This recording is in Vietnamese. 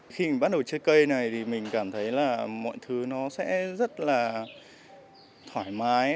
khi mình bắt đầu trái cây này thì mình cảm thấy là mọi thứ nó sẽ rất là thoải mái